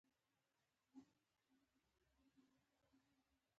رڼا په لوښو ولیدل شوه.